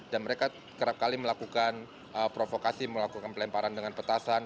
dan mereka kerap kali melakukan provokasi melakukan pelemparan dengan petasan